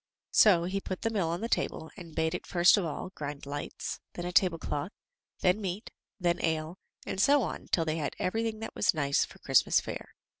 So he put the mill on the table, and bade it first of all grind lights, then a tablecloth, then meat, then ale, and so on till they had everything that was nice for Christmas fare.